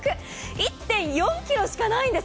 １．４ｋｇしかないんです。